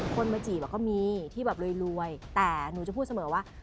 คนมาจีบก็มีที่แบบรวยแต่หนูจะพูดเสมอว่า